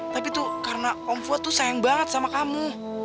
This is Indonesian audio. tapi tuh karena omfu tuh sayang banget sama kamu